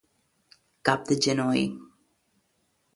Cap de genoll.